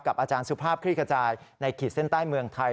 อาจารย์สุภาพคลี่ขจายในขีดเส้นใต้เมืองไทย